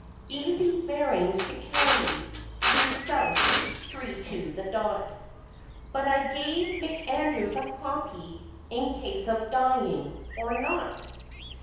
Easy bearings to carry three South three to the dot; But I gave McAndrews a copy in case of dying or not.